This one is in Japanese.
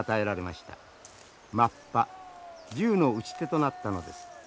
マッパ銃の撃ち手となったのです。